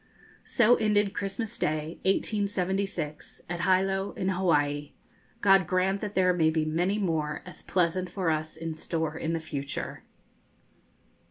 So ended Christmas Day, 1876, at Hilo, in Hawaii. God grant that there may be many more as pleasant for us in store in the future!